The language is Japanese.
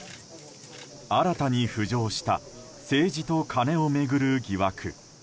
新たに浮上した政治とカネを巡る疑惑。